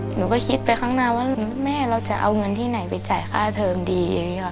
หนูก็คิดไปข้างหน้าว่าแม่เราจะเอาเงินที่ไหนไปจ่ายค่าเทอมดีอย่างนี้ค่ะ